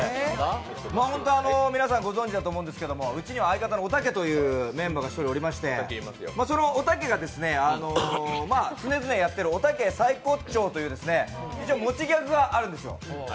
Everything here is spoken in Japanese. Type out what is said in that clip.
本当、皆さんご存じだと思いますがうちには相方のおたけというメンバーが１人いましてそのおたけが常々やっている、おたけサイコッチョーという持ちギャグがあるんですよ。